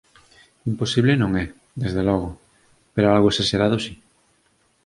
Imposible non é, desde logo, pero algo esaxerado si.